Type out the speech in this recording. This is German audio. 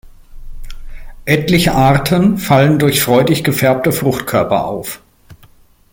Etliche Arten fallen durch freudig gefärbte Fruchtkörper auf.